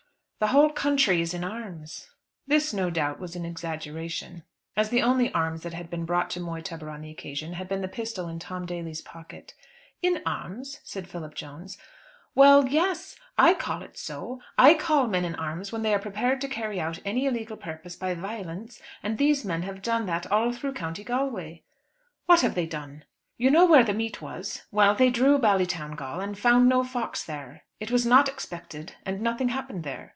"The whole country is in arms." This, no doubt, was an exaggeration, as the only arms that had been brought to Moytubber on the occasion had been the pistol in Tom Daly's pocket. "In arms?" said Philip Jones. "Well, yes! I call it so. I call men in arms, when they are prepared to carry out any illegal purpose by violence, and these men have done that all through the County Galway." "What have they done?" "You know where the meet was; well, they drew Ballytowngal, and found no fox there. It was not expected, and nothing happened there.